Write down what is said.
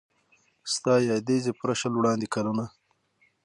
ستا یادیږي پوره شل وړاندي کلونه